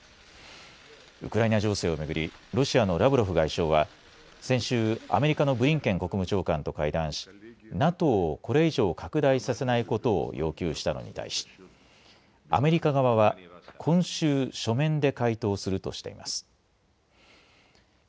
ウクライナ情勢をめぐりロシアのラブロフ外相は先週、アメリカのブリンケン国務長官と会談しＮＡＴＯをこれ以上拡大させないことを要求したのに対しアメリカ側は今週書面で回答するとしています。